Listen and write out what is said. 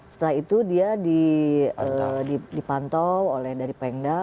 setelah itu dia dipantau oleh dari pemda